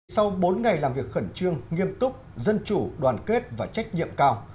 sau bốn ngày làm việc khẩn trương nghiêm túc dân chủ đoàn kết và trách nhiệm cao